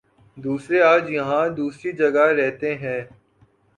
دوسرے آج یہاں دوسری جگہ رہتے ہیں